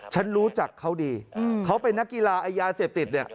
ฉันรู้จักเขาดีเขาเป็นนักกีฬาไอ้ยาเสพติดเนี่ย